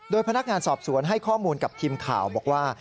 พนักงานสอบสวนให้ข้อมูลกับทีมข่าวบอกว่า